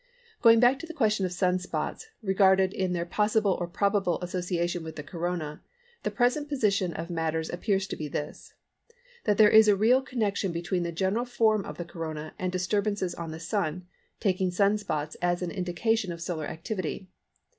Going back to the question of Sun spots regarded in their possible or probable association with the Corona, the present position of matters appears to be this: that there is a real connection between the general form of the Corona and disturbances on the Sun, taking Sun spots as an indication of solar activity.